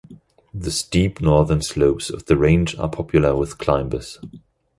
The steep northern slopes of the range are popular with climbers.